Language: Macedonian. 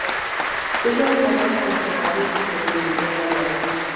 Се занимавав со продажните цени и мислев на неа.